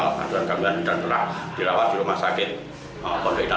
gangguan yang telah dilakukan di rumah sakit kondo idah bintaro